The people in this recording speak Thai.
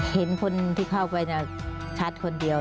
เห็นคนที่เข้าไปชัดคนเดียว